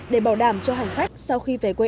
để bảo đảm cho hành khách sau khi về quê